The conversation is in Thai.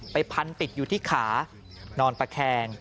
พันติดอยู่ที่ขานอนตะแคง